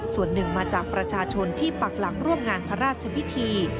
ส่วนหนึ่งมาจากประชาชนที่ปักหลังร่วมงานพระราชพิธี